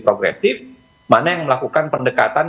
progresif mana yang melakukan pendekatan